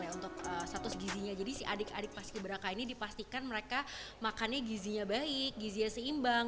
untuk status gizinya jadi si adik adik paski beraka ini dipastikan mereka makannya gizinya baik gizinya seimbang